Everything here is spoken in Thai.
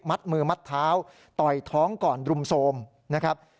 มือมัดเท้าต่อยท้องก่อนรุมโทรมนะครับ